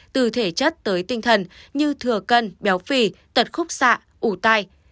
từ thể chất tới tinh thần như thừa cân béo phì tật khúc xạ ủ tai